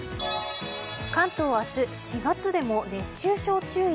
関東明日、４月でも熱中症注意。